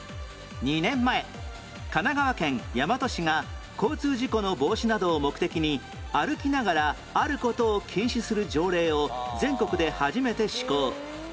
２年前神奈川県大和市が交通事故の防止などを目的に歩きながらある事を禁止する条例を全国で初めて施行